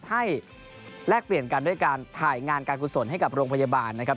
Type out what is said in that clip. แลกเปลี่ยนกันด้วยการถ่ายงานการกุศลให้กับโรงพยาบาลนะครับ